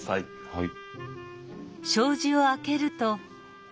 はい。